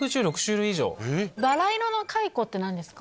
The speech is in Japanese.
「バラ色の回顧」って何ですか？